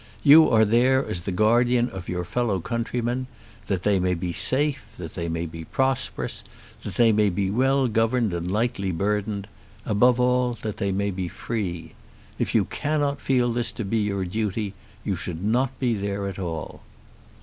You are there as the guardian of your fellow countrymen, that they may be safe, that they may be prosperous, that they may be well governed and lightly burdened, above all that they may be free. If you cannot feel this to be your duty, you should not be there at all.